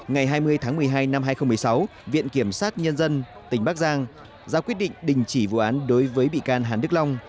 ngày hai mươi tháng một mươi hai năm hai nghìn một mươi sáu viện kiểm sát nhân dân tỉnh bắc giang ra quyết định đình chỉ vụ án đối với bị can hàn đức long